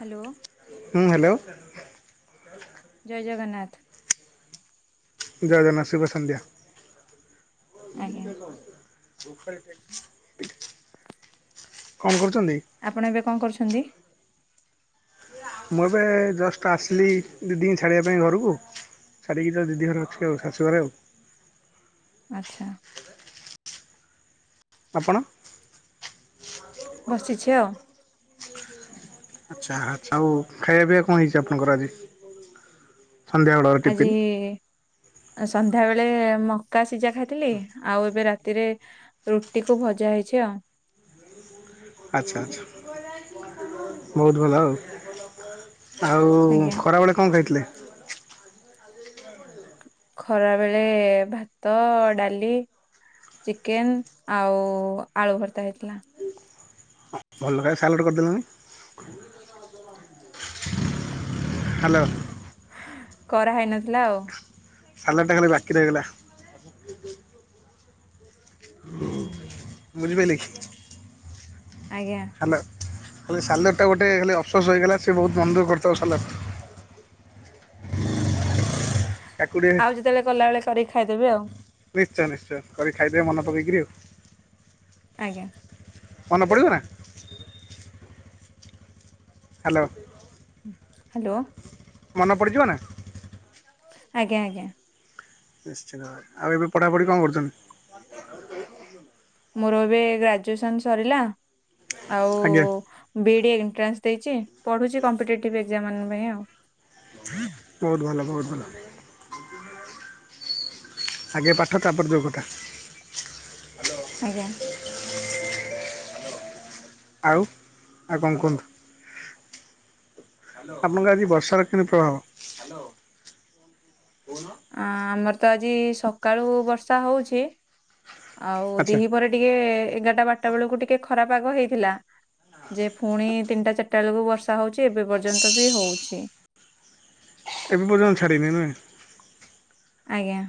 Hello. ହୁଁ hello ଜୟ ଜଗନ୍ନାଥ। ଜୟ ଜନା ସୁଭ ଆଜ୍ଞା ସନ୍ଧ୍ୟା। କଣ କରୁଛନ୍ତି? ଆପଣ ଏବେ କଣ କରୁଛନ୍ତି? ମୁଁ ଏବେ ଜଷ୍ଟ ଆସିଲି ଦିଦି ଙ୍କି ଛାଡ଼ିବା ପାଇଁ ଘରକୁ ଛାଡିକି ତ ଦିଦି ଘରେ ଅଛି ଆଉ ଶଶୁ ଘରେ ଆଉ। ଆଛା। ଆପଣ? ବସିଛି ଆଉ। ଆଚ୍ଛା ଆଚ୍ଛା ଆଉ ଖାଇବା ପିଇବା କଣ ହେଇଛି ଆପଣଙ୍କର ଆଜି? ସନ୍ଧ୍ୟାବେଳର ଆଜି ଟିଫିନ୍? ଆ ସନ୍ଧ୍ୟାବେଳେ ମକା ସିଝା ଖାଇଥିଲି ଆଉ ଏବେ ରାତିରେ ରୁଟି କୁ ଭଜା ହେଇଚି ଆଉ। ଆଚ୍ଛା ଆଚ୍ଛା ବହୁତ ଭଲ ଆଉ। ଆଉ ଆଜ୍ଞା ଖରାବେଳେ କଣ ଖାଇଥିଲେ? ଖରା ବେଳେ ଭାତ ଡାଲି। ଚିକେନ ଆଉ ଆଳୁ ଭର୍ତା ହେଇଥିଲା। ଭଲ ରେ ସାଲଟ କରିଦେଲୁନି। ହଲ। ହାଲୋ। କରାହେଇନଥିଲା ଆଉ। ସାଲାଟ ଖାଲି ବାକି ରହିଗଲା। ବୁଝିପାଇଲେକି? ଆଜ୍ଞା। ହାଲୋ ଖାଲି ସାଲଟ ଟା ଗୋଟେ ଖାଲି ଅଫସୋସ ହୋଇଗଲା। ସେଏ ବହୁତ ମନଦୁଃଖ କରିଥିବ ସାଲଟ ଟା। ତାକୁ ଟିକେ ଆଉ ଯେତେବେଳେ କଲା ବେଳେ କରିକି ଖାଇଦେବି ଆଉ। ନିଶ୍ଚୟ ନିଶ୍ଚୟ କରି କି ଖାଇଦେବେ ମନେ ପକେଇକିରି ଆଉ। ଆଜ୍ଞା। ମନେ ପଡିଲା? ହାଲୋ। ହାଲୋ। ମନେ ପଡ଼ିଯିବ ନା? ଆଜ୍ଞା ଆ ନିଶ୍ଚିନ୍ତ ଭାବେ ଆଉ ଏବେ ପଠ଼ାପଢି କଣ କରୁଚନ୍ତି? [unintelligible] ମୋର ଏବେ ଗ୍ରାଜୁଏସନ ସରିଲା ଆଉ ଆଜ୍ଞା ବି ଇ ଡି ଏଣ୍ଟ୍ରାନ୍ସ ଦେଇଚି ପଢ଼ୁଚି କମ୍ପିଟେଟିଭ୍ ଏକ୍ଜାମ ମାନ ପାଇଁ ଆଉ। ବହୁତ ଭଲ ବହୁତ ଭଲ। ଆଗେ ପାଠ ତାପରେ ଯୋଉ କଥା। ଆଜ୍ଞା। ଆଉ ଆଉ କଣ କୁହନ୍ତୁ। ଆପଣଙ୍କର ଆଜି ବର୍ଷା କେମିତି ପ୍ରଭାବ? [unintelligible] ଆ ଆମର ତ ଆଜି ସକାଳୁ ବର୍ଷା ହଉଚି। ଆଉ ଆଚ୍ଛା ଦିହି ପରେ ଟିକେ ଏଗାରଟା ବାରଟା ବେଳକୁ ଟିକେ ଖରାପ ପାଗ ହେଇଥିଲା। ଯେ ପୁଣି ତିନିଟା ଚାରିଟା ବେଳକୁ ବର୍ଷା ହଉଚି ଏବେ ପର୍ଯ୍ୟନ୍ତ ବି ହଉଚି। ଏବେ ପର୍ଯ୍ୟନ୍ତ ଛାଡ଼ିନି ନା? ଆଜ୍ଞା।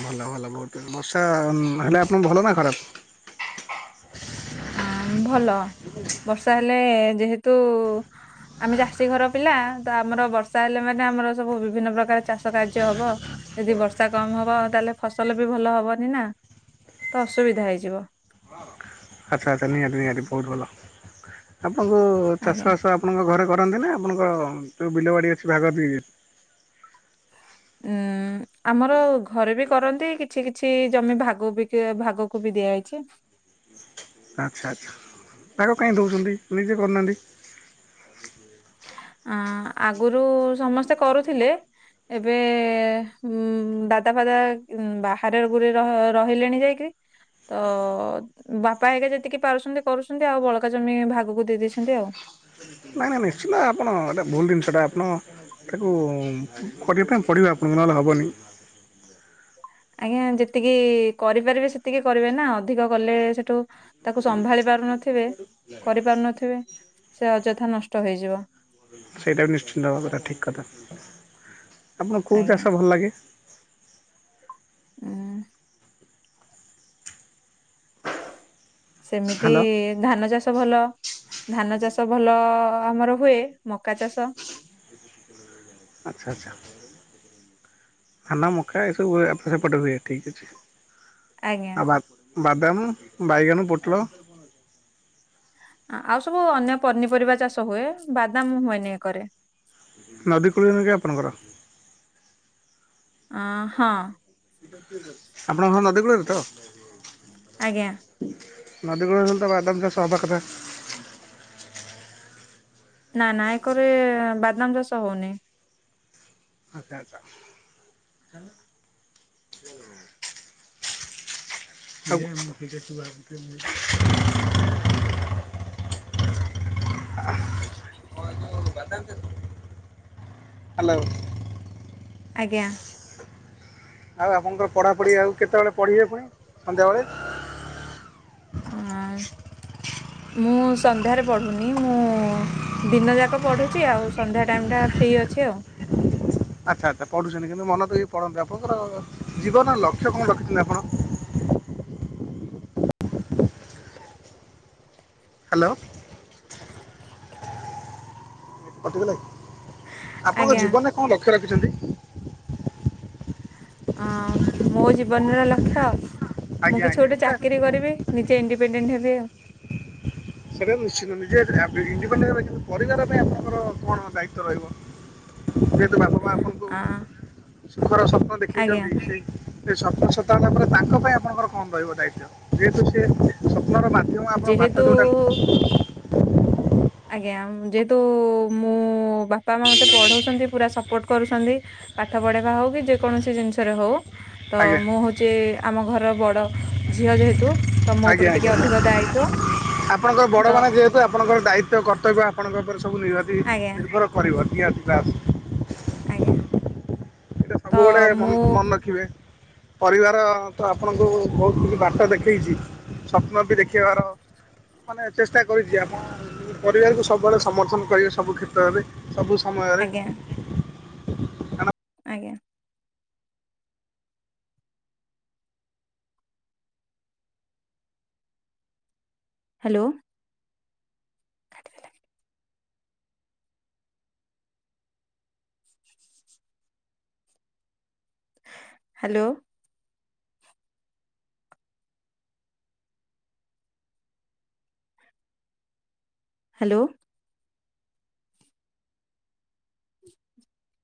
ଭଲ ଭଲ ବହୁତ। ବର୍ଷା ହେଲେ ଆପଣଙ୍କ ଭଲ ନା ଖରାପ? ଆଁ ଭଲ। ବର୍ଷା ହେଲେ ଯେହେତୁ ଆମେ ଚାଷୀ ଘର ପିଲା। ତ ଆମର ବର୍ଷା ହେଲେ ମଧ୍ଯ ଆମର ସବୁ ବିଭିନ୍ନ ପ୍ରକାର ଚାଷ କାର୍ଯ୍ୟ ହବ। ଯଦି ବର୍ଷା କମ ହବ ତାହେଲେ ଫସଲ ବି ଭଲ ହବନି ନା ତ ଅସୁବିଧା ହେଇଯିବ। ଆଚ୍ଛା ଆଚ୍ଛା ନିହାତି ନିହାତି ବହୁତ ଭଲ। ଆପଣଙ୍କୁ ଆଜ୍ଞା ଚାଷବାସ ଆ ଆପଣଙ୍କ ଘରେ କରନ୍ତି ନା ଆପଣଙ୍କ ବିଲବାଡ଼ି ଅଛି ଭାଗ ଦେଇଦିଅନ୍ତି। ଉଁ ଉଁ। ଆମର ଘରେ ବି କରନ୍ତି। କିଛି କିଛି ଜମି ଭାଗଵି ଭାଗକୁ ବି ଦିଆଯାଇଛି। ଆଚ୍ଛା ଆଚ୍ଛା। ତାଙ୍କ କାହିଁ ଦେଉଛନ୍ତି ନିଜେ କରୁନାହାନ୍ତି। ଆ ଆଗରୁ ସମସ୍ତେ କରୁଥିଲେ। ଏବେ ଉ ଦାଦା ଫାଦା ବାହାରେ ଗୁରେ ର ରହିଲେଣି ଯାଇକି। ତ ଅ। ବାପା ହେଗା ଯେତିକି ପାରୁଛନ୍ତି କରୁଛନ୍ତି। ଆଉ ବଳକା ଜମି ଭାଗକୁ ଦେଇ ଦେଇେଛନ୍ତି ଆଉ। ନାଇଁ ନାଇଁ ନିଶ୍ଚିନ୍ତ ଆପଣ ଏଇଟା ଭୁଲ ଜିନିଷଟା ଆପଣ। ତାକୁ କରିବା ପାଇଁ ପଡ଼ିବ ଆପଣଙ୍କ ନହେଲେ ହେବନି। ଆଜ୍ଞା ଯେତିକି କରିପାରିବେ ସେତିକି କରିବେ ନା ଅଧିକ କଲେ ସେଠୁ। ତାକୁ ସମ୍ଭାଳି ପାରୁ ନଥିବେ କରିପାରୁ ନଥିବେ। ସେ ଅଯଥା ନଷ୍ଟ ହେଇଯିବ। ସେଇଟା ନିଶ୍ଚିନ୍ତ ଭାବରେ ଠିକ କଥା। ଆପଣ କୋଉ ଆଜ୍ଞା ଚାଷ ଭଲ ଲାଗେ। ହୁଁ। ସେମିତି ହ୍ୟାଲୋ ଧାନ ଚାଷ ଭଲ ଧାନ ଚାଷ ଭଲ ଆମର ହୁଏ ମକା ଚାଷ ଆଚ୍ଛା ଆଚ୍ଛା। ଧାନ ମକା ଏସବୁ ସେପଟ ହୁଏ ଠିକ୍ ଅଛି। ଆଜ୍ଞା ଆଉ ବା ବା ମାମୁଁ ବାଇଗାନ ପୋଟଳ। ଆଉ ସବୁ ଅନ୍ୟ ପନିପରିବା ଚାଷ ହୁଏ ବାଦାମ ହୁଏନି ଏକ କରେ। ନଦୀ କୂଳିନ କି ଆପଣଙ୍କର। ଅ ହଁ। ଆପଣଙ୍କ ଘର ନଦୀ କୂଳରେ ତ। ଆଜ୍ଞା। ନଦୀ କୁ ଳ ରେ ତ ବାଦାମ ଚାଷହ ବାକ ଥା। ନା ନା ଏକରେ ବାଦନାାମ ଚାଷ ହଉନି। ଆଛା ଆ ଛା। ଆ। [inaudible] [unintelligible] ହ୍ୟାଲୋ [unintelligible] ଆଜ୍ଞା। ଆଉ ଆପଙ୍କର ପଢ଼ା ପଢ଼ି ଆଉ କେତେବେଳେ ପଢ଼ିବେ ପୁଣି ସନ୍ଧ୍ୟାବେଳେ। ଅ [inaudible] ମୁଁ ସନ୍ଧ୍ୟାରେ ପଢ଼ୁନି ମୁଁ ଦିନ ଯାକ ପଢୁଛି ଆଉ ସନ୍ଧ୍ୟା ଟାଇମ ଟା ଫ୍ରି ଅଛି ଆଉ। ଆଚ୍ଛା ଆଚ୍ଛା ପଢ଼ୁଛନ୍ତି କିନ୍ତୁ ମନ ତ ବି ପ଼ନ୍ତନ୍ତି ଆପଣଙ୍କର ଜୀବନର ଲକ୍ଷ କଣ ରଖିଛନ୍ତି ଆପଣ। ହ୍ୟାଲୋ। କଟି ଗଲା କି ଆପଣଙ୍କ ଆଜ୍ଞା ଜୀବନରେ କଣ ଲକ୍ଷ୍ୟ ରଖିଛନ୍ତି। ଅ ମୋ ଜୀବନର ଲକ୍ଷ୍ୟ ମୁଁ ଆଜ୍ଞା କିଛି ଆଜ୍ଞା ଗୋଟେ ସେଟା- ଚାକିରୀ କରିବି। ନିଜେ ଇଣ୍ଡିପେଣ୍ଡେଣ୍ଟ ହେବି ଆଉ? ସେଇଟା ନିଶ୍ଚନ୍ତ ନିଜେ ଇଦିପେଦେତ ପରିବାର ପାଇଁ ଆପଣଙ୍କର କଣ ଦାୟିତଵ ରହିବ। ଯେହେତୁ ବାପା ମା ଆପଣଙ୍କୁ ଆଁ ସୁଖର ସ୍ୱପ୍ନ ଆଜ୍ଞା ଦେଖେଇଛନ୍ତି ସେଇ? ସେ ସ୍ୱପ୍ନ ସତା ପରେ ତାଙ୍କ ପାଇଁ ଆପଣଙ୍କର କଣ ରହିବ ଦାୟିତ ଯେହେତୁ ସେ ସ୍ୱପ୍ନର ବା ଏବଂ ଆପଣଙ୍କ ବାଟ ଯେହେତୁ ଯେଉଁଟା ଆଜ୍ଞା ଯେହେତୁ ମୁଁ ବାପା ମା ମୋତେ ପଢ଼ାଉଛନ୍ତି ପୁରା ସପୋର୍ଟ କରୁଛନ୍ତି। ପାଠ ପଢେଇବା ହଉ କି ଯେ କୌଣସି ଜିନିଷରେ ହଉ। ତ ଆଜ୍ଞା ମୁଁ ହଉଛି ଆମ ଘରର ବଡ ଝିଅ ଯେହେତୁ ତ ମୋ ଉପରେ ଆଜ୍ଞା ଟିକେ ଆଜ୍ଞା ଅଧିକ ଦାୟିତ୍ଵ ଆପଣଙ୍କର ତ ବଡ ମାନେ ଯେହେତୁ ଆପଣଙ୍କର ଦାୟିତ୍ୱ କର୍ତ୍ତବ୍ୟ ଆପଣଙ୍କ ଉପରେ ସବୁ ନିହାତି ଆଜ୍ଞା ନିର୍ଭର କରିବ କିଏ ଅଛି ତାର। ଆଜ୍ଞା। ଏ ତ ସବୁବେଳେ ମନ ମୁଁ ମନେ ରଖିବେ। ପରିବାର ତ ଆପଣଙ୍କୁ ବହୁତ କିଛି ବାଟ ଦେଖେଇଛି ସ୍ୱପ୍ନ ବି ଦେଖେଇବାର ମାନେ ଚେଷ୍ଟା କରିଛି ଆପଣ ପରିବାରକୁ ସବୁବେଳେ ସମର୍ଥନ କରିବେ ସବୁ କ୍ଷେତ୍ରରେ। ସବୁ ସମୟରେ। ଆଜ୍ଞା ଆଜ୍ଞା। ହ୍ୟାଲୋ। ହ୍ୟାଲୋ। ହ୍ୟାଲୋ। [inaudible]